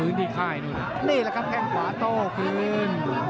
นี่แหละครับแข่งขวาโต้คืน